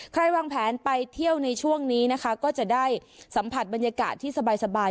วางแผนไปเที่ยวในช่วงนี้นะคะก็จะได้สัมผัสบรรยากาศที่สบาย